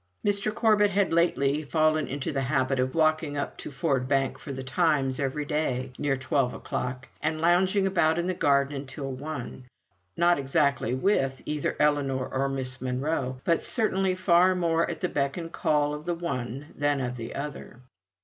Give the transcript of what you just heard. Mr. Corbet had lately fallen into the habit of walking up to Ford Bank for The Times every day, near twelve o'clock, and lounging about in the garden until one; not exactly with either Ellinor or Miss Monro, but certainly far more at the beck and call of the one than of the other.